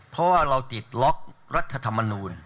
เพราะว่าเราติดล็อกรัฐธรรมนูล